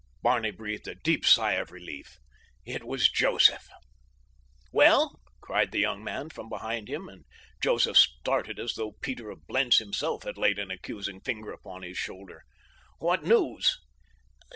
Barney breathed a deep sigh of relief—it was Joseph. "Well?" cried the young man from behind him, and Joseph started as though Peter of Blentz himself had laid an accusing finger upon his shoulder. "What news?"